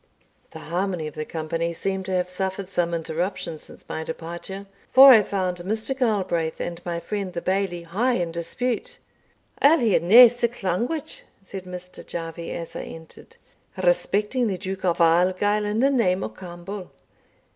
The harmony of the company seemed to have suffered some interruption since my departure, for I found Mr. Galbraith and my friend the Bailie high in dispute. "I'll hear nae sic language," said Mr. Jarvie, as I entered, "respecting the Duke o' Argyle and the name o' Campbell.